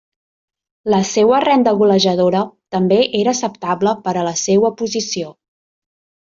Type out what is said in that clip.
La seua renda golejadora també era acceptable per a la seua posició.